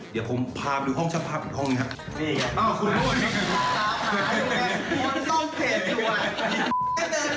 เดี๋ยวผมพาไปดูห้องฉันพาไปดูห้องนี้ครับ